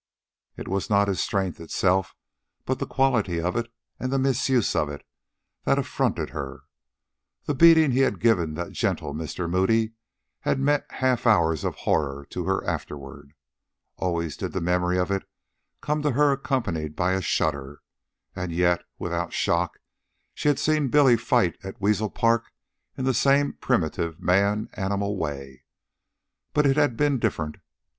It was not his strength itself, but the quality of it and the misuse of it, that affronted her. The beating he had given the gentle Mr. Moody had meant half hours of horror to her afterward. Always did the memory of it come to her accompanied by a shudder. And yet, without shock, she had seen Billy fight at Weasel Park in the same primitive man animal way. But it had been different.